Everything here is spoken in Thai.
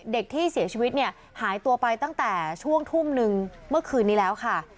เด็กที่เสียชีวิตเนี่ยหายตัวไปตั้งแต่ช่วงทุ่มนึงเมื่อคืนนี้แล้วค่ะ